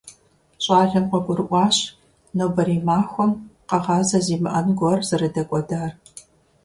Щӏалэм къыгурыӀуащ нобэрей махуэм къэгъазэ зимыӀэн гуэр зэрыдэкӀуэдар.